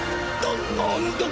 ななんだ！？